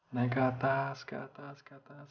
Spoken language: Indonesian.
naik ke atas